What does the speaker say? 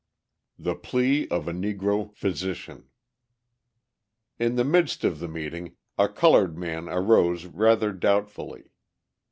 The Plea of a Negro Physician In the midst of the meeting a coloured man arose rather doubtfully.